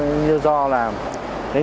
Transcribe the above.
do người dân